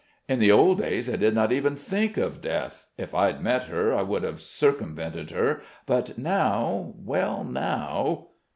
"In the old days I did not even think of death.... If I'd met her, I would have circumvented her, but now ... well, now!"